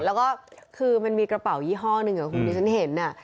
แล้วก็คือมันมีกระเป๋ายี่ห้อหนึ่งคุณที่ฉันเห็น